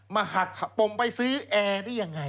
หักปมไปซื้อแอร์ได้ยังไง